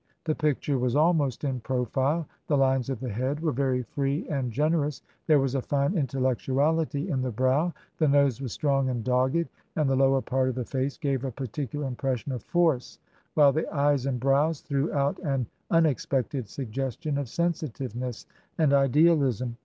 The picture was almost in profile ; the lines of the head were very free and generous ; there was a fine intellectu ality in the brow ; the nose was strong and dogged, and the lower part of the face gave a particular impression of force, while the eyes and brows threw out an unex pected suggestion of sensitiveness and idealism.